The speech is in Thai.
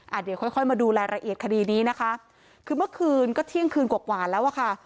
เดี๋ยวค่อยค่อยมาดูรายละเอียดคดีนี้นะคะคือเมื่อคืนก็เที่ยงคืนกว่ากว่าแล้วอ่ะค่ะ